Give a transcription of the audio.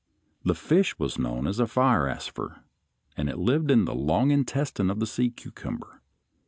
The fish was known as Fierasfer, and it lived in the long intestine of the sea cucumber.